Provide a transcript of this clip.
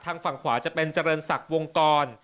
ฝั่งขวาจะเป็นเจริญศักดิ์วงกร